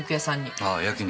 ああ焼肉。